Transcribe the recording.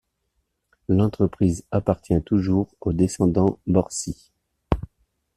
L'entreprise appartient toujours aux descendants Borsci.